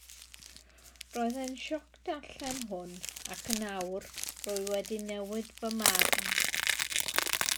Roedd e'n sioc darllen hwn ac yn awr rwy wedi newid fy marn.